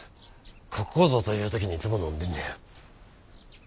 ここぞという時にいつも飲んでんねん。